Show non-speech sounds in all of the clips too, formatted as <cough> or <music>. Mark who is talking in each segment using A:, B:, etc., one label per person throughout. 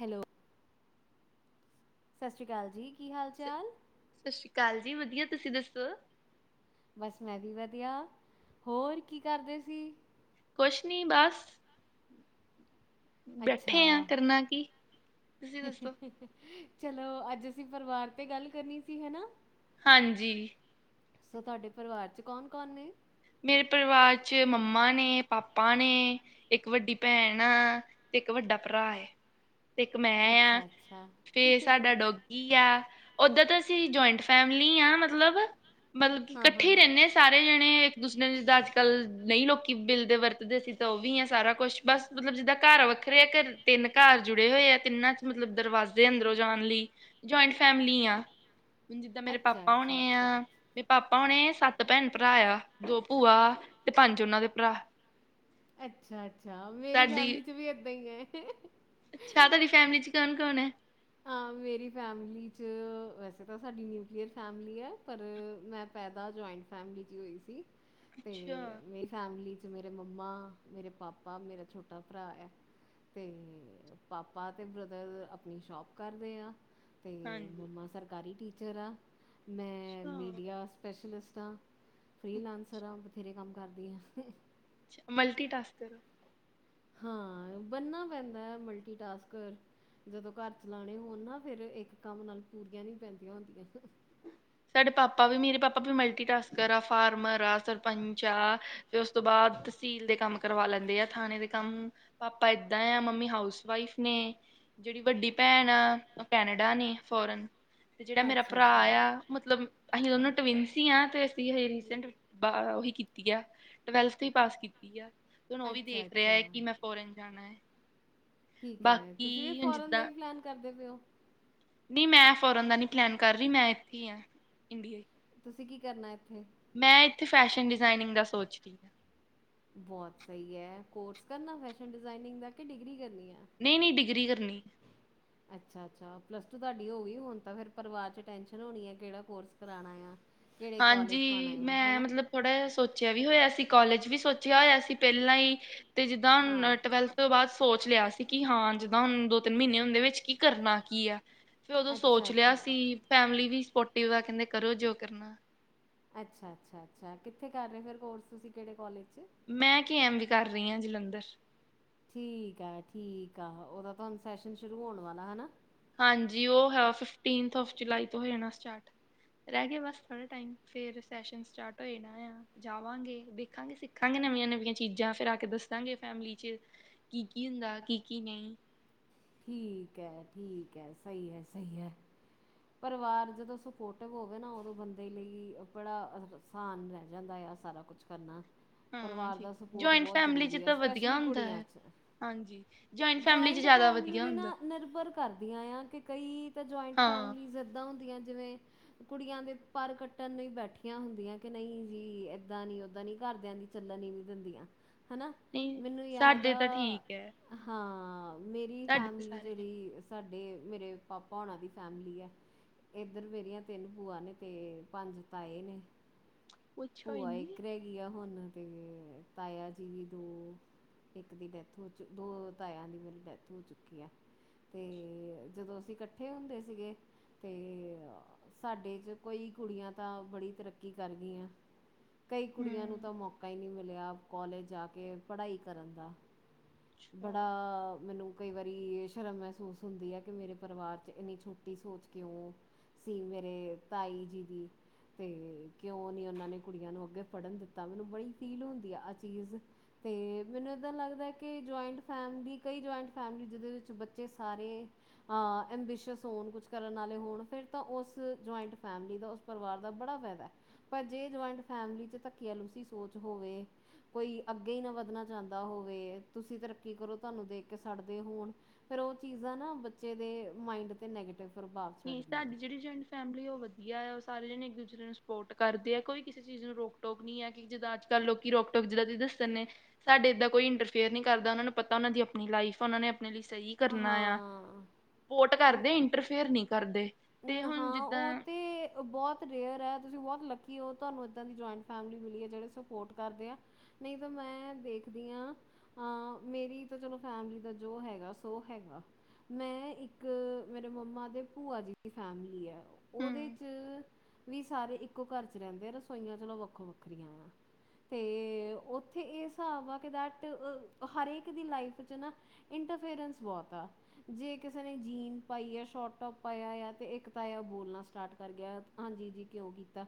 A: Hello ਸਸ੍ਰੀ ਕਾਲ ਜੀ ਕੀ ਹਾਲ
B: ਸ-
A: ਚਾਲ?
B: ਸਤਿ ਸ਼੍ਰੀ ਅਕਾਲ ਜੀ ਵਧੀਆ ਤੁਸੀਂ ਦੱਸੋ?
A: ਬਸ ਮੈਂ ਵੀ ਵਧੀਆ, ਹੋਰ ਕੀ ਕਰਦੇ ਸੀ?
B: ਕੋਛ ਨੀ ਬਸ।
A: ਅੱਛਾ
B: ਬੈਠੇ ਆ ਕਰਨਾ ਕੀ, ਤੁਸੀ ਦੱਸੋ?
A: ਚਲੋ ਅੱਜ ਅਸੀ ਪਰਿਵਾਰ ਤੇ ਗੱਲ ਕਰਨੀ ਸੀ ਹਨਾ।
B: ਹਾਂਜੀ।
A: ਸੋ ਤਾਡੇ ਪਰਿਵਾਰ ਚ ਕੌਨ-ਕੌਨ ਨੇ?
B: ਮੇਰੇ ਪਰਿਵਾਰ ਚ ਮੰਮਾ ਨੇ, ਪਾਪਾ ਨੇ, ਇੱਕ ਵੱਡੀ ਭੈਣ ਆ। ਇੱਕ ਵੱਡਾ ਭਰਾ ਏ। ਤੇ ਇੱਕ ਮੈਂ ਆ
A: ਅੱਛਾ ਅੱਛਾ
B: ਫੇਰ ਸਾਡਾ ਡੋਗੀ ਆ। ਓਦਰ ਤਾਂ ਅਸੀਂ ਜੋਇੰਟ ਫੈਮਲੀ ਆਂ ਮਤਲਬ ਮਤਲਬ
A: ਹਾਂ ਹਾਂ
B: ਕੱਠੇ ਈ
A: ਹਾਂ
B: ਰੈਂਨੇ ਆ ਸਾਰੇ ਜਣੇ। ਤੁਸੀ ਨੇ ਜਿੱਦਾਂ ਅੱਜ-ਕੱਲ ਨਈ ਲੋਕੀ ਬਿੱਲਦੇ ਵਰਤਦੇ ਸੀ ਤਾਂ ਓ ਵੀ ਆ ਸਾਰਾ ਕੁੱਛ ਬਸ ਮਤਲਬ ਜਿੱਦਾਂ ਘਰ ਵ ਖਰੇ ਆ ਘਰ, ਤਿੰਨ ਘਰ ਜੁੜੇ ਹੋਏ ਆ ਤਿੰਨਾਂ ਚ ਮਤਲਬ ਦਰਵਾਜ਼ੇ ਅੰਦਰੋਂ ਜਾਣ ਲਈ ਜੋਇੰਟ ਫੈਮਿਲੀ ਆਂ, ਹੁਨ ਜਿੱਦਾਂ ਮੇਰੇ
A: ਅੱਛਾ
B: ਪਾਪਾ
A: ਅੱਛਾ
B: ਹੋਣੇ
A: ਅੱਛਾ
B: ਆ ਮੇਰੇ ਪਾਪਾ ਹੋਣੇ ਆ ਸੱਤ ਭੈਣ-ਭਰਾ ਆ। ਦੋ ਭੂਆ ਤੇ ਪੰਜ ਓਨਾਂ ਦੇ ਭਰਾ।
A: ਅੱਛਾ-ਅੱਛਾ ਮੇਰੀ
B: ਤੁਹਾਡੀ
A: ਫੈਮਿਲੀ ਚ ਵੀ ਏਦਾਂ ਈ ਐ।
B: ਅੱਛਾ ਤੋਦੀ ਫੈਮਿਲੀ ਚ ਕੌਨ-ਕੌਨ ਏ?
A: ਹਾਂ। ਮੇਰੀ ਫੈਮਿਲੀ ਚ ਵੈਸੇ ਤਾਂ ਸਾਡੀ ਨਿਊਕਲੀਅਰ ਫੈਮਿਲੀ ਆ ਪਰ ਮੈਂ ਪੈਦਾ ਜੋਇੰਟ ਫੈਮਿਲੀ ਚ ਹੋਈ ਸੀ ਤੇ
B: ਅੱਛਾ
A: ਮੇਰੀ ਫੈਮਿਲੀ ਚ ਮੇਰੇ ਮੰਮਾ ਮੇਰੇ ਪਾਪਾ, ਮੇਰਾ ਛੋਟਾ ਭਰਾ ਐ। ਤੇ ਪਾਪਾ ਤੇ ਬ੍ਰਦਰ ਅਪਨੀ ਸ਼ੋਪ ਕਰਦੇ ਆ। ਤੇ
B: ਹਾਂਜੀ
A: ਮੰਮਾ ਸਰਕਾਰੀ ਟੀਚਰ ਆ, ਮੈਂ
B: ਅੱਛਾ
A: ਮੀਡੀਆ ਸਪੈਸ਼ਿਲਸ ਤਾਂ, ਫਰੀ ਲਾਂਸਰ ਆ ਬਥੇਰੇ ਕੰਮ ਕਰਦੀ ਆ।
B: ਮਲਟੀ-ਟਾਸਕਰ ਓ।
A: ਹਾਂ ਬਨਨਾ ਪੈਂਦੈ ਮਲਟੀ-ਟਾਸਕਰ। ਜਦੋ ਘਰ ਚਲਾਣੇ ਹੋਣ ਨਾ ਫੇਰ ਏਕ ਕੰਮ ਨਾਲ ਪੂਰੀਆ ਨੀ ਪੈਂਦੀਆਂ ਹੁੰਦੀਆ।
B: ਸਾਡੇ ਪਾਪਾ ਵੀ ਮੇਰੇ ਪਾਪਾ ਵੀ ਮਲਟੀ ਟਾਸਕਰ ਆ, ਫਾਰਮਰ ਆ, ਸਰਪੰਚ ਆ, ਤੇ ਉਸ ਤੋਂ ਬਾਦ ਤਸੀਲ ਦੇ ਕੰਮ ਕਰਵਾ ਲੈਂਦੇ ਆ ਖਾਣੇ ਦੇ ਕੰਮ ਪਾਪਾ ਏਦਾਂ ਆ, ਮੰਮੀ ਹਾਊਸ-ਵਾਈਫ ਨੇ ਜੇੜੀ ਵੱਡੀ ਭੈਨ ਆ ਓ ਕੈਨੇਡਾ ਨੇ ਫੋਰਨ ਤੇ ਜਿੜਾ ਮੇਰਾ ਭਰਾ
A: ਅੱਛਾ-ਅੱਛਾ,
B: ਆ ਮਤਲਬ ਅਹੀ ਦੋਨੋ ਟਵਿਨਸੀ ਆ ਤੇ ਅਸੀ ਹਜੇ ਰੀਸੈਂਟ ਬਾ ਓਹੀ ਕੀਤੀ ਆ। ਟਵੈਲਥ ਹੀ ਪਾਸ ਕੀਤੀ ਆ ਹੁਣ ਓ ਵੀ ਦੇਖ ਰੇਆ
A: ਅੱਛਾ-ਅੱਛਾ,
B: ਐ ਕਿ ਮੈਂ ਫੋਰਨ ਜਾਨਾ ਏ।
A: ਠੀਕ ਐ ਤੁਸੀ ਵੀ ਫੋਰਨ ਦਾ ਈ ਪਲੈਨ ਕਰਦੇ ਪਏ ਓ।
B: ਨੀ ਮੈਂ ਫੋਰਨ ਦਾ ਨੀ ਪਲੈਨ ਕਰ ਰਈ ਮੈਂ ਇੱਥੇ ਈ ਆਂ ਇੰਡੀਆ।
A: ਤੁਸੀ ਕੀ ਕਰਨਾ ਏਥੇ?
B: ਮੈਂ ਏਥੇ ਫੈਸ਼ਨ ਡਿਜ਼ਾਇਨਿੰਗ ਦਾ ਸੋਚ ਰਈ।
A: ਬੋਅਤ ਸਹੀ ਹੈ, ਕੋਰਸ ਕਰਨਾ ਫੈਸ਼ਨ ਡਿਜ਼ਾਇਨਿੰਗ ਦਾ ਕੇ ਡਿਗਰੀ ਕਰਨੀ ਐ?
B: ਨਈ ਨਈ ਡਿਗਰੀ ਕਰਨੀ।
A: ਅੱਛਾ-ਅੱਛਾ, ਪਲੱਸ ਟੂ ਤਾਡੀ ਹੋ ਗਈ ਹੁਨ ਤੇ ਫੇਰ ਪਰਵਾਰ ਚ ਟੈਂਸ਼ਨ ਹੋਣੀ ਏ ਕੇੜਾ ਕੋਰਸ ਕਰਾਨਾ ਆ। ਕਿਹੜੇ
B: ਹਾਂਜੀ
A: ਕਾਲਜ ਪਾਣਾ ਆ, ਹੈ
B: ਮੈਂ
A: ਨਾ?
B: ਮਤਲਬ ਥੋੜਾ ਜੇਆ ਸੋਚੇਆ ਵੀ ਹੋਏਆ ਸੀ ਕੋਲਜ ਵੀ ਸੋਚੇਆ ਹੋਏਆ ਸੀ ਪੈਲਾਂ ਹੀ ਤੇ ਜਿੱਦਾ ਹੁਨ
A: ਹਾਂ।
B: ਟਵੈਲਥ ਤੋਂ ਬਾਦ ਸੋਚ ਚ ਲੇਆ ਸੀ ਕਿ ਹਾਂ ਜਿੱਦਾ ਹੁਨ ਦੋ-ਤਿੰਨ ਮੀਨੇ ਹੁੰਦੇ ਵਿੱਚ ਕੀ ਕਰਨਾ ਕੀ ਆ। ਫਿਰ ਓਦੋਂ
A: ਅੱਛਾ
B: ਸੋਚ ਲੇਆ
A: ਅੱਛਾ,
B: ਸੀ ਫੈਮਿਲੀ ਵੀ ਸਪੋਟਿਵ ਵਾ ਕੈਂਦੇ ਕਰੋ ਜੋ ਕਰਨਾ।
A: ਅੱਛਾ, ਅੱਛਾ, ਅੱਛਾ, ਕਿੱਥੇ ਕਰ ਰਏ ਫੇਰ ਕੋਰਸ ਤੁਸੀ ਕੇੜੇ ਕੋਲਜ ਚ?
B: ਮੈਂ ਕੀ ਐਮ ਵੀ ਕਰ ਰਈ ਆ ਜਲੰਧਰ।
A: ਠੀਕ ਆ, ਠੀਕ ਆ, ਓਦਾ ਤਾ ਹੁਨ ਸੈਸ਼ਨ ਸ਼ੁਰੂ ਹੋਣ ਵਾਲਾ ਹਨਾਂ।
B: ਹਾਂਜੀ ਓ ਹੈ ਫਿਫਟਿੰਥ ਆਫ ਜੁਲਾਈ ਤੋ ਹੋ ਜਾਣੈ ਸਟਾਟ। ਰੈਗੇ ਬਸ ਥੋੜਾ ਟਾਈਮ ਫੇਰ ਸੈਸ਼ਨ ਸਟਾਰਟ ਹੋਏਨਾ ਆ, ਜਾਵਾਂਗੇ, ਦੇਖਾਂਗੇ, ਸਿੱਖਾਂਗੇ ਨਵੀਆਂ ਨਵੀਆਂ ਚੀਜ਼ਾਂ ਫਿਰ ਆ ਕੇ ਦੱਸਾਂਗੇ ਫੈਮਲੀ ਚ ਕੀ ਕੀ ਹੁੰਦਾ, ਕੀ ਕੀ ਨਈ।
A: ਠੀਕ ਐ, ਠੀਕ ਐ, ਸਹੀ ਹੈ, ਸਹੀ ਹੈ। ਪਰਿਵਾਰ ਜਦੋਂ ਸਪੋਟਿਵ ਹੋਵੇ ਨਾ ਓਦੋਂ ਬੰਦੇ ਲਈ ਬੜਾ ਆਸਾਨ ਰੈ ਜਾਂਦਾ ਆ ਸਾਰਾ ਕੁਛ ਕਰਨਾ, ਪਰਵਾਰ
B: ਹਾਂਜੀ
A: ਦਾ ਸਪੋਟ
B: ਜੁਆਇੰਟ
A: ਬੋਤ
B: ਫੈਮਿਲੀ
A: ਜਰੂਰੀ
B: 'ਚ
A: ਐ
B: ਤਾਂ ਵਧੀਆ
A: ਸਪੈਸ਼ਲੀ
B: ਹੁੰਦਾ
A: ਕੁੜੀਆਂ
B: ਹੈ
A: ਚ।
B: ਹਾਂਜੀ, ਜੋਇੰਟ ਫੈਮਿਲੀ ਚ
A: ਜੁਆਇੰਟ
B: ਜ਼ਿਆਦਾ
A: ਫੈਮਿਲੀ
B: ਵਧੀਆ
A: ਵੀ
B: ਹੁੰਦਾ
A: ਨਾ ਨਿਰਭਰ ਕਰਦੀਆ ਆਂ ਕਿ ਕਈ ਤਾਂ ਜੋਇੰਟ
B: ਹਾਂ
A: ਫੈਮਲੀਸ ਏਦਾਂ ਹੁੰਦੀਆਂ ਜਿਵੇ ਕੁੜੀਆਂ ਦੇ ਪਰ ਕੱਟਨ ਲਈ ਬੈਠੀਆਂ ਹੁੰਦੀਆਂ ਕਿ ਨਈ ਜੀ ਏਦਾਂ ਨੀ, ਓਦਾਂ ਨੀ, ਘਰਦਿਆਂ ਦੀ ਚੱਲ ਨ ਨੀ ਦਿੰਦੀਆਂ, ਹਨਾ
B: ਨਹੀਂ
A: ਮੈਨੂੰ ਯਾਦ
B: ਸਾਡੇ
A: ਆ
B: ਤਾਂ ਠੀਕ ਹੈ
A: ਹਾਂ ਮੇਰੀ
B: ਸਾਡੇ ਤਾਂ
A: ਫੈਮਲੀ
B: ਸਾਰੇ
A: ਜੇੜੀ ਸਾਡੇ ਮੇਰੇ ਪਾਪਾ ਹੋਣਾ ਦੀ ਫੈਮਲੀ ਐ ਏਧਰ ਮੇਰੀਆਂ ਤਿੰਨ ਭੂਆ ਨੇ ਤੇ ਪੰਜ ਤਾਏ ਨੇ।
B: ਪੁੱਛੋ ਹੀ
A: ਭੂਆ
B: ਨਹੀਂ
A: ਇੱਕ ਰੈ ਗਈ ਆ ਹੁਨ। ਤੇ ਤਾਏਆ ਜੀ ਵੀ ਦੋ, ਇੱਕ ਦੀ ਡੈਥ ਹੋ ਦੋ ਤਾਇਆ ਦੀ ਮੇਰੀ ਡੈਥ ਹੋ ਚੁੱਕੀ ਆ ਤੇ ਜਦੋ ਅਸੀ ਕੱਠੇ ਹੁੰਦੇ ਸੀਗੇ ਤੇ ਸਾਡੇ ਚ ਕੋਈ ਕੁੜੀਆਂ ਤਾਂ ਬੜੀ ਤਰੱਕੀ ਕਰ ਗਈਆਂ। ਕਈ ਕੁੜੀਆਂ ਨੂੰ
B: ਹਮ
A: ਤਾਂ ਮੌਕਾ ਈ ਨਈ ਮਿਲਿਆ ਕੋਲਜ ਜਾ ਕੇ ਪੜਾਈ ਕਰਨ ਦਾ। ਬੜਾ
B: ਅੱਛਾ
A: ਮੈਨੂੰ ਕਈ ਵਾਰੀ ਸ਼ਰਮ ਮੈਸੂਸ ਹੁੰਦੀ ਐ ਕਿ ਮੇਰੇ ਪਰਿਵਾਰ ਚ ਇੰਨੀ ਛੋਟੀ ਸੋਚ ਕਿਓਂ ਸੀ ਮ ਮੇਰੇ ਤਾਈ ਜੀ ਦੀ ਤੇ ਕਿਓਂ ਨੀ ਓਨਾਂ ਨੇ ਕੁੜੀਆਂ ਨੂੰ ਅੱਗੇ ਪੜਨ ਦਿੱਤਾ, ਮੈਨੂੰ ਬੜੀ ਫੀਲ ਹੁੰਦੀ ਆ ਆ ਚੀਜ਼। ਤੇ ਮੈਨੂੰ ਏਦਾਂ ਲੱਗਦਾ ਕਿ ਜੋਇੰਟ ਫੈਮਿਲੀ ਕਈ ਜੋਇੰਟ ਫੈਮਲੀ ਜਿਦੇ ਵਿੱਚ ਬੱਚੇ ਸਾਰੇ ਅ ਐਬਿਸ਼ਿਯਸ ਹੋਨ ਕੁਛ ਕਰਨ ਆਲੇ ਹੋਨ ਫਿਰ ਤਾਂ ਉਸ ਜੋ ਜੋਇੰਤ ਫੈਮਲੀ ਦਾ ਉਸ ਪਰਿਵਾਰ ਦਾ ਬੜਾ ਫੈਦਾ ਐ ਪਰ ਜੇ ਜੋਇੰਟ ਫੈਮਲੀ ਚ ਧੱਕੀਆਲੁਸੀ ਸੋਚ ਹੋਵੇ, ਕੋਈ ਅੱਗੇ ਨਾ ਵੱਧਨਾ ਚਾਂਦਾ ਹੋਵੇ, ਤੁਸੀ ਤਰੱਕੀ ਕਰੋ ਤਾਨੂੰ ਦੇਖ ਸੜਦੇ ਹੋਨ ਫੇਰ ਓ ਚੀਜ਼ਾਂ ਨਾ ਬੱਚੇ ਦੇ ਮਾਇੰਡ ਤੇ ਨੈਗੇਟਿਵ ਪ੍ਰਭਾਵ
B: ਨੀ
A: ਛੱਡਦੀਆਂ
B: ਸਾਡੀ ਜੇੜੀ ਜੋਇੰਟ ਫੈਮਲੀ ਓ ਵਧੀਆ ਆ ਸਾਰੇ ਜਨੇ ਇੱਕ-ਦੂਸਰੇ ਨੂੰ ਸਪੋਰਟ ਕਰਦੇ ਆ, ਕੋਈ ਕਿਸੇ ਚੀਜ਼ ਨੂੰ ਰੋਕ-ਟੋਕ ਨੀ ਐ ਕਿ ਜਿੱਦਾਂ ਅੱਜ-ਕੱਲ ਲੋਕੀ ਰੋਕ ਟੋਕ ਜਿੱਦਾਂ ਜ਼ੀ ਸ, ਸਾਡੇ ਏਦਾਂ ਕੋਈ ਇੰਟਰਫੇਅਰ ਨੀ ਕਰਦਾ ਓਨਾਂ ਨੂੰ ਪਤਾ ਓਨਾਂ ਦੀ ਅਪਨੀ ਲਾਈਫ ਆ ਓਨਾਂ ਨੇ ਅਪਨੇ ਲਈ ਸਈ ਕਰਨਾ ਆ,
A: ਹਾਂ
B: ਪੋਟ ਕਰਦੇ ਇੰਟਰਫੇਅਰ ਨਈ ਕਰਦੇ। ਤੇ ਹੁਣ
A: ਨਹਾਂ
B: ਜਿੱਦਾਂ
A: ਓ ਤੇ ਬੋਤ ਰੇਅਰ ਆ ਤੁਸੀ ਬੋਤ ਹਲਬ ਕਿ ਓ ਤੁਆਨੂੰ ਏਦਾਂ ਦੀ ਜੋਇੰਟ ਫੈਮਿਲੀ ਮਿਲੀ ਏ ਜੇੜੇ ਸਪੋਟ ਕਰਦੇ ਆ ਨਈ ਤਾਂ ਮੈਂ ਦੇਖਦੀ ਆ ਆ ਮੇਰੀ ਤਾਂ ਚਲੋ ਫੈਮਲੀ ਦਾ ਜੋ ਹੈਗਾ ਸੋ ਹੈਗਾ। ਮੈਂ ਇੱਕ ਮੇਰੇ ਮੰਮਾ ਦੇ ਭੂਆ ਜੀ ਦੀ ਫੈਮਲੀ ਐ ਓਦੇ
B: ਹਮ
A: 'ਚ ਵੀ ਸਾਰੇ ਇੱਕੋ ਘਰ ਚ ਰੈਂਦੇ ਆ ਰਸੋਈਆਂ ਚਲੋ ਵੱਖੋ ਵੱਖਰੀਆਂ ਆ। ਤੇ ਓਥੇ ਏ ਸਾਬ ਆ ਕੇ ਰਟ ਅ ਹਰ ਏਕ ਦੀ ਲਾਈਫ ਚ ਨਾ ਫੇਰੇਂਸ ਬੋਤ ਆ ਜੇ ਕਿਸੇ ਨੇ ਜੀਨ ਪਾਈ ਆ, ਸ਼ੋਰਟ ਟੋਪ ਪਾਇਆ ਆ ਤੇ ਇੱਕ ਤਾਯਾ ਬੋਲਨਾ ਸਟਾਟ ਕਰ ਗਿਆ ਹਾਂਜੀ ਜੀ ਕਿਉਂ ਕੀਤਾ।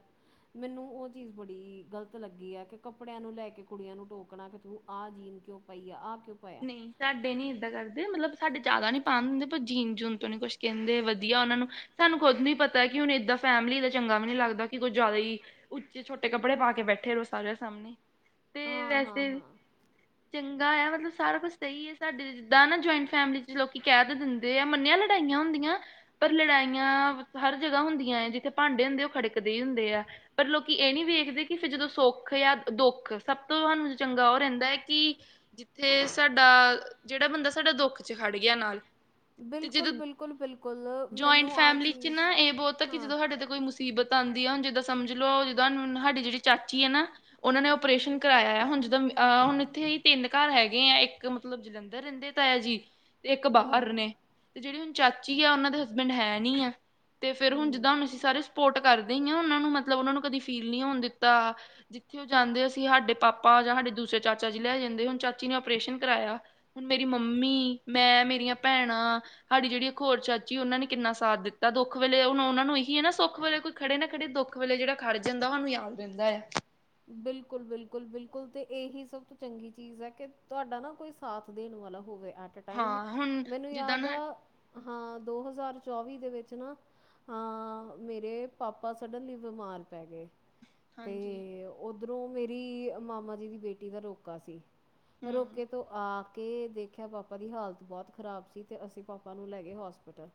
A: ਮੈਨੂੰ ਓ ਚੀਜ਼ ਬੜੀ ਗਲਤ ਲੱਗੀ ਆ ਕਿ ਕੱਪੜੇਆਂ ਨੂੰ ਲੈ ਕੇ ਕੁੜੀਆਂ ਨੂੰ ਟੋਕਨਾ ਕਿ ਤੂੰ ਆ ਜੀਨ ਕਿਓਂ ਪਾਈ ਆ ਆ
B: ਨਈ ਸਾਡੇ ਨੀ ਏਦਾਂ ਕਰਦੇ ਮਲਬ ਸਾਡੇ ਜਾਦਾ ਨੀ ਪਾਣ ਦਿੰਦੇ ਪਰ ਜੀਨ ਜੂਨ ਤੋਂ ਨੀ ਕੁਛ ਕੈਂਦੇ ਵਧੀਆ, ਓਨਾਂ ਨੂੰ ਸਾਨੂੰ ਖੁਦ ਨੀ ਪਤਾ ਕਿ ਹੁਨ ਏਦਾਂ ਫੈਮਿਲੀ ਦੇ ਚੰਗਾ ਵੀ ਨੀ ਲੱਗਦਾ ਕਿ ਕੁਝ ਜਾਦਾ ਹੀ ਉੱਚੇ ਛੋਟੇ ਕੱਪੜੇ ਪਾ ਕੇ ਬੈਠੇ ਰਓ ਸਾਰੇਆਂ ਸਾਮਨੇ।
A: ਹਾਂ, ਹਾਂ, ਹਾਂ।
B: ਚੰਗਾ ਆ ਮਤਲਬ ਸਾਰਾ ਕੁਛ ਸਈ ਐ ਸਾਡੇ ਜਿੱਦਾਂ ਨਾ ਜੋਇੰਟ ਫੈਮਿਲੀ ਚ ਲੋਕੀ ਕੈ ਦੇ ਦਿੰਦੇ ਆ ਮੰਨਿਆ ਲੜਾਈਆਂ ਹੁੰਦੀਆਂ ਪਰ ਲੜਾਈਆਂ ਹਰ ਜਗਾਂ ਹੁੰਦੀਆਂ ਜਿੱਥੇ ਭਾਂਡੇ ਹੁੰਦੇ ਓ ਖੜਕਦੇ ਹੀ ਹੁੰਦੇ ਆ ਪਰ ਲੋਕੀ ਇਅ ਨੀ ਵੇਖਦੇ ਕਿ ਫਿਰ ਜਦੋਂ ਸੁੱਖ ਯਾ ਦੁੱਖ ਸਭ ਤੋਂ ਹਾਨੂੰ ਚੰਗਾ ਓ ਰੈਂਦਾ ਕਿ ਥੇ ਸਾਡਾ ਜੇੜਾ ਬੰਦਾ ਸਾਡਾ ਦੁੱਖ ਚ ਹੜ ਗਿਆ ਨਾਲ। ਤੇ ਜਦੋਂ,
A: ਬਿਲਕੁਲ ਬਿਲਕੁਲ ਬਿਲਕੁਲ
B: ਜਇੰਟ
A: ਮੈਨੂੰ ਆਹ
B: ਫੈਮਲੀ ਚ
A: ਚੀਜ਼
B: ਨਾ ਇਹ ਬਹੁਤ ਆ ਕਿ
A: ਹਾਂ
B: ਜਦੋ ਸਾਡੇ ਤੇ ਕੋਈ ਮੁ ਮੁਸੀਬਤ ਆਉਂਦੀ ਆ ਹੁਣ ਜਿੱਦਾਂ ਸਮਝ ਲੋ, ਜਦਾਂ ਸਾਡੀ ਜਿਹੜੀ ਚਾਚੀ ਆ ਨਾ। ਉਹਨਾ ਨੇ ਓਪਰੇਸ਼ਨ ਕਰਵਾਆ ਜਦ ਅਹ ਹੁਣ ਇੱਥੇ ਹੀ ਤਿੰਨ ਘਰ ਹੈਗੇ ਆ ਇੱਕ ਮਤਲਬ ਜਲੰਧਰ ਰਹਿੰਦੇ ਤਾਯਾ ਜੀ, ਤੇ ਇੱਕ ਬਾਹਰ
A: ਹੂੰ
B: ਨੇ, ਤੇ ਜਿਹੜੇ ਹ ਚਾਚੀ ਆ ਉਹਨਾਂ ਦੇ ਹਸਬੈਂਡ ਹੈ ਨੀ ਆ। ਤੇ ਫੇਰ ਹੁਣ
A: ਹੂੰ
B: ਜਿੱਦਾਂ ਹੁਣ ਅਸੀਂ ਸਾਰੇ ਸਪੋਰਟ ਕਰਦੇ ਹੀ ਆ ਉਹਨਾਂ ਨੂੰ ਮਤਲਬ ਉਹਨਾਂ ਨੂੰ ਕਦੀ ਫੀਲ ਨਹੀਂ ਹੋਣ ਦਿੱਤਾ। ਜਿੱਥੇ ਉਹ ਜਾਂਦੇ ਅਸੀਂ ਸਾਡੇ ਪਾਪਾ ਸਾਡੇ ਦੂਸਰੇ ਚਾਚਾ ਜੀ ਲੈ ਜਾਂਦੇ। ਚਾਚੀ ਨੇ ਆਪਓਰੇਸ਼ਨ ਕਰਵਾਆ। ਹੁਣ ਮੇਰੀ ਮੰਮੀ, ਮੈਂ, ਮੇਰੀਆਂ ਭੈਣਾਂ ਸਾਡੀ ਜਿਹੜੀ ਖਰ ਚਾਚੀ ਉਹਨਾਂ ਨੇ ਕਿੰਨਾ ਸਾਥ ਦਿੱਤਾ। ਦੁੱਖ ਵੇਲੇ ਹੁਣ ਉਹਨਾਂ ਨੂੰ ਇਹੀ ਹੈ ਨਾ ਸੁੱਖ ਵੇਲੇ ਕੋਈ ਖੜੇ ਨਾ ਖੜੇ, ਦੁੱਖ ਵੇ ਜਿਹੜਾ ਖਰ ਜਾਂਦਾ ਮੈਨੂੰ ਯਾਦ ਰਹਿੰਦਾ ਹੈ।
A: ਬਿਲਕੁਲ -ਬਿਲਕੁਲ- ਬਿਲਕੁਲ ਤੇ ਇਹੀ ਸਭ ਤੋਂ ਚੰਗੀ ਚੀਜ਼ ਹੈ। ਕਿ ਤੁਹਾਡਾ ਨਾ ਕੋਈ ਸਾਥ ਦੇਣ ਵਾ ੳ ਤਾਂ ਹੱਟਦਾ ਹੀ ਨਹੀ।
B: ਹਾਂ ਹੁਣ
A: ਹੋਵੇ ਮੈਨੂੰ
B: ਜਿੱਦਾਂ
A: ਯਾਦ ਆ
B: ਨਾ
A: ਹਾਂ, ਦੋ ਹਜ਼ਾਰ ਚੌਵੀ ਦੇ ਵਿੱਚ ਨਾ, ਅਅ, ਮੇਰੇ ਪਾਪਾ ਸਡਨਲੀ ਬਿਮਾਰ ਪੈ ਗਏ।
B: ਹਾਂ ਜੀ।
A: ਓਧਰੋਂ, ਮੇਰੀ ਮਾਮਾ ਜੀ ਦੀ ਬੇਟੀ ਦਾ ਰੋਕਾ ਸੀ।
B: ਹੂੰ
A: ਰੋਕੇ ਤੋਂ ਆ ਕੇ ਦੇਖਿਆ, ਪਾਪਾ ਦੀ ਹਾਲਤ ਬਹੁਤ ਖ਼ਰਾਬ ਸੀ। ਤੇ ਅਸੀਂ ਪਾਪਾ ਨੂੰ ਲੈ ਗਏ ਹੋਸਪਿਟਲ‌।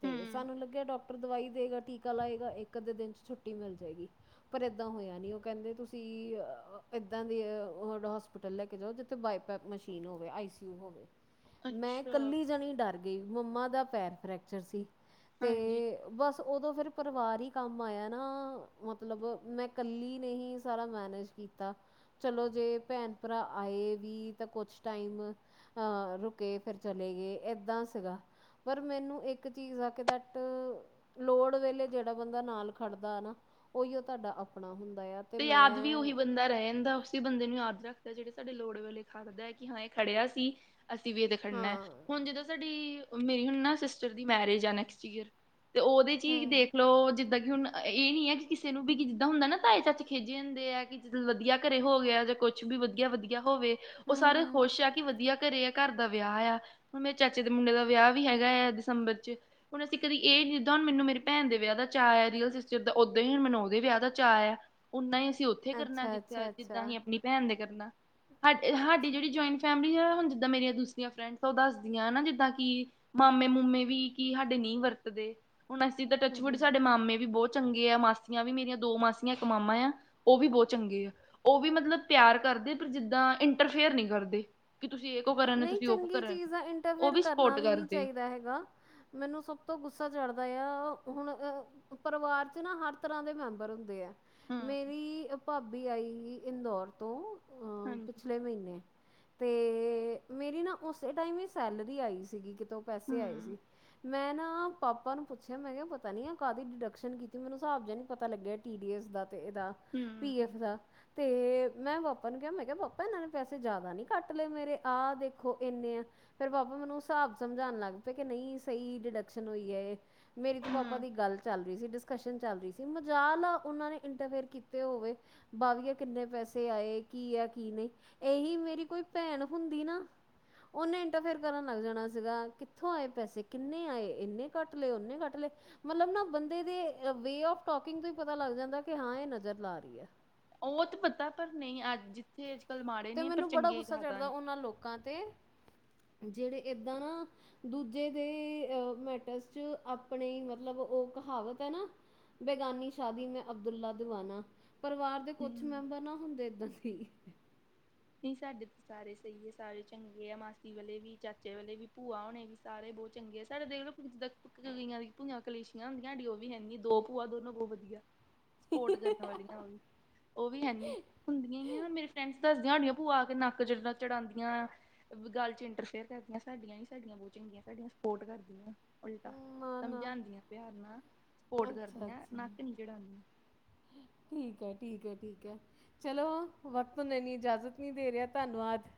A: ਤੇ
B: ਹੂੰ
A: ਸਾਨੂੰ ਲੱਗਿਆ, ਡਾਕਟਰ ਦਵਾਈ ਦੇਗਾ, ਟੀਕਾ ਲਾਏਗਾ। ਇੱਕ- ਅੱਧੇ ਦਿਨ 'ਚ ਛੁੱਟੀ ਮਿਲ ਜਾਏਗੀ। ਪਰ ਇੱਦਾਂ ਹੋਇਆ ਨੀ। ਉਹ ਕਹਿੰਦੇ ਤੁ ਤੁਸੀਂ ਅ, ਇੱਦਾਂ ਦੇ ਅ, ' <unintelligible> ' ਹੋਸਪਿਟਲ ਲੈ ਕੇ ਜਾਓ, ਜਿੱਥੇ ਬਾਇਪੈਪ ਮਸ਼ੀਨ ਹੋਵੇ, ਆਈ ਸੀ ਯੂ ਹੋਵੇ। ਮੈਂ
B: ਅੱਛਾ
A: ਕੱਲੀ ਜਾਣੀ ਡਰ ਗਈ। ਮੰਮਾ ਦਾ ਪੈਰ ਫਰੈਕਚਰ ਸੀ। ਤੇ
B: ਹਾਂਜੀ
A: ਬਸ ਉਦੋਂ ਫਿਰ ਪਰਿਵਾਰ ਹੀ ਕੰਮ ਆਇਆ ਨਾ। ਮਤਲਬ, ਮੈਂ ਕੱਲੀ ਨਹੀ ਸਾਰਾ ਮੈਨੇਜ ਕੀਤਾ। ਚਲੋ, ਜੇ ਭੈਣ- ਭਰਾ ਆਏ ਵੀ ਤਾਂ ਕੁਛ ਟਾਈਮ ਹਾਂ ਰੁਕੇ, ਫਿਰ ਚਲੇ ਗਏ। ਏਦਾਂ ਸੀਗਾ। ਪਰ ਮੈਂਨੂੰ ਇੱਕ ਚੀਜ਼ ਹਦ ਤਕ, ਲੋੜ ਵੇਲੇ ਜਿਹੜਾ ਬੰਦਾ ਨਾਲ ਖੜਦਾ ਆ ਨਾ ਉਹੀ 'ਓ ਤੁਹਾਡਾ ਆਪਣਾ ਹੁੰਦਾ ਹੈ।
B: ਤੇ ਯਾਦ ਵੀ ਉਹੀ ਬੰਦਾ ਰਹਿ ਜਾਂਦਾ। ਉਸ ਬੰਦੇ ਨੂੰ ਯਾਦ ਰੱਖ ਜਿਹੜੇ ਸਾਡੇ ਲੋੜ ਵੇਲੇ ਖੜਦਾ ਹੈ ਕਿ ਹਾਂ ਏ ਖੜਿਆ ਸੀ, ਅਸੀਂ ਵੀ ਇਹ ਤੇ ਖੜਨਾ।
A: ਹਾਂ
B: ਹੁਣ ਜਿੱਦਾਂ ਸਾਡੀ ਮੇਰੀ ਹੁਣ ਨਾ ਸਿਸਟਰ ਦੀ ਮੈਰਿਜ਼ ਆ ਨੈਕਸਟ ਈਅਰ। ਤੇ ਉਹਦੇ 'ਚ ਹੀ
A: ਹੂੰ
B: ਦੇਖ ਲੋ ਜਿੱਦਾਂ ਹੁਣ, ਅ, ਇਹ ਨੀ ਹੈ ਕਿ ਕਿਸੇ ਨੂੰ ਵੀ ਕੀ ਜਿੱਦਾਂ ਹੁੰਦਾ ਨਾ ਤਾਏ-ਚਾਚੇ ਖਿਝੇ ਹੁੰਦੇ ਆ। ਕਿ ਜਦੋਂ ਵਧੀਆ ਘਰੇ ਹੋ ਗਿਆ ਜਾਂ ਕੁਸ਼ ਵੀ ਵਧੀਆ-ਵਧੀਆ ਹੋਵੇ। ਉਹ ਸਾਰੇ
A: ਹੂੰ
B: ਖੁਸ਼ ਆ ਕਿ ਵਧੀਆ ਘਰੇ ਆ, ਘਰ ਦਾ ਵਿਆਹ ਆ। ਹੁਣ, ਮੇਰੇ ਚਾਚੇ ਦੇ ਮੁੰਡੇ ਦਾ ਵਿਆਹ ਵੀ ਹੈਗਾ ਆ ਦਸੰਬਰ ਚ। ਹੁਣ ਅਸੀਂ ਕਦੀ ਇਹ ਜਿੱਦਾਂ ਹੁਣ ਮੈਨੂੰ ਮੇਰੀ ਭੈਣ ਦੇ ਵਿਆਹ ਦਾ ਚਾਅ ਆ, ਰੀਅਲ ਸਿਸਟਰ ਦਾ। ੳਦਾ ਹੀ, ਹੁਣ ਮੈਨੂੰ ਉਹਦੇ ਵਿਆਹ ਚਾਅ ਆ। ਓਨਾ ਹੀ ਅਸੀਂ ਉੱਥੇ ਕਰਨਾ,
A: ਅੱਛਾ ਅੱਛਾ
B: ਜਿੱਥੇ, ਜਿੱਦਾਂ
A: ਅੱਛਾ
B: ਅਹੀ ਆਪਣੀ ਭੈਣ ਦੇ ਕਰਨਾ। ' <unintelligible> ' ਹਾਡੀ ਜਿਹੜੀ ਜੁਆਇੰਟ ਫੈਮਿਲੀ ਆ। ਹੁਣ ਜਿੱਦਾਂ ਮੇਰੀ ਦੂਸਰੀਆਂ ਫਰੈਡ ਓ ਦੱਸਦੀਆਂ ਨਾ ਜਿੱਦਾਂ ਕਿ ਮਾਮੇ-ਮਾਮੂੇ ਵੀ ਕੀ ਹਾਡੇ ਨਹੀਂ ਵਰਤਦੇ। ਹੁਣ, ਅਸੀਂ ਤਾਂ
A: ਹੂੰ
B: ਟੱਚਵੁੱਡ
A: ਹੂੰ
B: ਸਾਡੇ ਮਾਮੇ ਵੀ ਬਹੁਤ ਚੰਗੇ ਆ। ਮਾਸੀਆਂ ਵੀ ਮੇਰੀਆਂ ਦੋ ਮਾਸੀਆਂ, ਇੱਕ ਮਾ ' <unintelligible> ' ਆ, ਉਹ ਵੀ ਬਹੁਤ ਚੰਗੇ ਆ। ਉਹ ਵੀ ਮਤਲਬ ਪਿਆਰ ਕਰਦੇ, ਪਰ ਜਿੱਦਾਂ ਇੰਟਰਫੇਅਰ ਨੀ ਕਰਦੇ। ਤੁਸੀਂ ਇਹ ਕੋ ਕਰਨ
A: ਨਹੀਂ,
B: ਤੁਸੀਂ ਉਹ ਕੋ
A: ਚੰਗੀ
B: ਕਰਨ
A: ਚੀਜ਼ ਆ।
B: ਉਹ
A: ਇੰਟਰਫੇਅਰ ਕਰਨਾ
B: ਸਪੋਰਟ
A: ਵੀ ਨਹੀਂ
B: ਕਰਦੇ
A: ਚਾਹੀਦਾ ਹੈਗਾ। ਮੈਂਨੂੰ ਸਭ ਤੋਂ ਗੁੱਸਾ ਚੜ੍ਹਦਾ ਆ। ' <unintelligible> ' ਹੁਣ, ਅਹ, ਪਰਿਵਾਰ 'ਚ ਨਾ ਹਰ ਤਰ੍ਹਾਂ ਦੇ ਮੈਂਬਰ ਹੁੰਦੇ ਆ।
B: ਹੂੰ
A: ਮੇਰੀ ਭਾਬੀ ਆਈ ਹੀ ਇੰਦੋੌਰ ਤੋਂ, ਅਮ,
B: ਹਾਂਜੀ
A: ਪਿਛਲੇ ਮਹੀਨੇ ਤੇ ਮੇਰੀ ਨਾ ਉਸੇ ਟਾਈਮ ਹੀ ਸੈਲਰੀ ਆਈ ਸੀਗੀ ਕਿਤੋਂ, ਪੈਸੇ ਆਏ ਸੀ।
B: ਹੂੰ
A: ਮੈਂ ਨਾ ਪਾਪਾ ਨੂੰ ਪੁੱਛਿਆ। ਮੈਂ ਕਿਹਾ, ਪਤਾ ਨੀ ਆ ਕਾਹਦੀ ਡਿਡਕਸ਼ਨ ਕੀਤੀ, ਮੈਨੂੰ ਹਿਸਾਬ ਜਿਹਾ ਨੀ ਪਤਾ ਲੱਗਿਆ ਟੀ ਡੀ ਐੱਸ ਦਾ। ਤੇ ਇਹਦਾ
B: ਹੂੰ
A: ਪੀ ਐਫ ਦਾ ਤੇ ਮੈਂ ਪਾਪਾ ਨੂੰ ਕਿਹਾ। ਮੈਂ ਕਿਹਾ, ਪਾਪਾ ਇਹਨਾਂ ਨੇ ਪੈਸੇ ਜ਼ਿਆਦਾ ਨੀ ਕੱਟ ਲਏ ਮੇਰੇ। ਆਹ, ਦੇਖੋ ਇੰਨੇ ਆ। ਫੇਰ ਪਾਪਾ ' ' ਮੈਨੂੰ ਹਿਸਾਬ ਸਮਝਾਣ ਲੱਗ ਪਏ ਕਿ ਨਹੀਂ, ਸਹੀ ਡਿਡਕਸ਼ਨ ਹੋਈ ਹੈ। ਤੇ ਮੇਰੀ ਤੇ
B: ਹੂੰ
A: ਪਾਪਾ ਦੀ ਗੱਲ ਚੱਲ ਡਿਸਕਸ਼ਨ ਚੱਲ ਰਈ ਸੀ, ਮਜ਼ਾਲ ਆ ਓਨਾਂ ਨੇ ਇੰਟਰਫੇਅਰ ਕੀਤੇ ਹੋਵੇ ਬਾਵੀਆ ਕਿੰਨੇ ਪੈਸੇ ਆਏ, ਕੀ ਆ, ਕੀ ਨਈ? ਏਹੀ ਮੇਰੀ ਕੋਈ ਭੈਨ ਹੁੰਦੀ ਨਾ ਓਨੇ ਇੰਟਰਫੇਅਰ ਕਰਨ ਲੱਗ ਜਾਣਾ ਸੀਗਾ ਕਿੱਥੋਂ ਆਏ ਪੈਸੇ, ਕਿੰਨੇ ਆਏ? ਇੰਨੇ ਕੱਟ ਲਏ, ਓਨੇ ਕੱਟ ਲਏ। ਮਲਬ ਨਾ ਬੰਦੇ ਦੇ ਵੇ ਆਫ ਟੋਕਿੰਗ ਤੋਂ ਈ ਪਤਾ ਲੱਗ ਜਾਂਦਾ ਕਿ ਹਾਂ ਏ ਨਜ਼ਰ ਲਾ ਰਈ ਆ।
B: ਓ ਤੇ ਪਤਾ ਪਰ ਨਈ ਅੱਜ ਜਿੱਥੇ ਕੱਲ੍ਹ ਮਾੜੇ
A: ਤੇ
B: ਨੇ ਪਰ
A: ਮੈਂਨੂੰ ਬੜਾ
B: ਚੰਗੇ
A: ਗੁੱਸਾ
B: ਜ਼ਿਆਦਾ
A: ਚੜਦਾ
B: ਨੇ
A: ਓਨਾਂ ਲੋਕਾਂ ਤੇ ਜੇੜੇ ਏਦਾਂ ਨਾ ਦੂਜੇ ਦੇ ਏ ਮੈਟਰਸ 'ਚ ਆਪਨੇ ਈ ਮਤਲਬ ਓ ਓ ਕਹਾਵਤ ਹੈ ਨਾ, ਬੇਗਾਨੀ ਸ਼ਾਦੀ ਮੇ ਅਬਦੁਲਾ ਦਿਵਾਨਾ। ਪਰਿਵਾਰ ਦੇ ਕੁਛ
B: ਹਮ
A: ਮੈਂਬਰ ਨਾ ਹੁੰਦੇ ਏਦਾਂ ਦੇ ਈ।
B: ਨੀ ਸਾਡੇ ਤੇ ਸਾਰੇ ਸਈ ਆ, ਸਾਰੇ ਚੰਗੇ ਆ, ਮਾਸੀ ਵਾਲੇ ਵੀ, ਚਾਚੇ ਵਾਲੇ ਵੀ, ਭੂਆ ਹੋਣੇ ਵੀ ਸਾਰੇ ਬੋ ਚੰਗੇ ਆ, ਸਾਡੇ ਦੇਖ ਲੋ ਜਿੱਦਾ ਕਈਆਂ ਦੀ ਪੂਈਆਂ ਕਲੇਸ਼ੀਆਂ ਹੁੰਦੀਆਂ ਹਾਡੀ ਓ ਵੀ ਹੈਨੀ, ਦੋ ਭੂਆ ਦੋਨੋ ਬਓ ਵਧੀਆ। ਸਪੋਟ ਕਰਨ ਵਾਲੀਆਂ ਓ ਵੀ, ਉਹ ਵੀ ਹੈਨੀ, ਹੁੰਦੀਆਂ ਹੀ ਆ ਮੇਰੀ ਫਰੈਂਡਸ ਦਸ ਝਹਾਡੀਆਂ ਭੂਆ ਆ ਕੇ ਨੱਕ ਜਿਡਾ ਚੜਾਂਦੀਆਂ ਗੱਲ ਚ ਇੰਟਰਫੇਅਰ ਕਰਦੀਆਂ ਸਾਡੀਆਂ ਈ ਸਾਡੀਆਂ ਬਓ ਚੰਗੀਆਂ ਸਾਡੀਆਂ ਸਪੋਟ ਕਰਦੀਆ। ਉਲਟਾ
A: ਨਾ ਨਾ
B: ਸਮਝਾਂਦੀਆ ਪਿਆਰ ਨਾਲ, ਸਪੋਟ
A: ਅੱਛਾ
B: ਕਰਦੀਆਂ,
A: ਅੱਛਾ
B: ਨੱਕ ਨੀ ਚੜਾਂਦੀਆ।
A: ਠੀਕ ਹੈ ਠੀਕ ਏ, ਠੀਕ ਏ, ਚਲੋ ਵਕਤਨ ਇੰਨੀ ਇਜਾਜ਼ਤ ਨਹੀਂ ਦੇ ਰਿਆ, ਧੰਨਵਾਦ।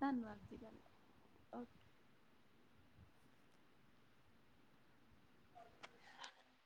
B: ਧੰਨਵਾਦ ਜੀ, ਓਕੇ।